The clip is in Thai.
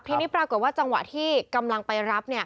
ทีนี้ปรากฏว่าจังหวะที่กำลังไปรับ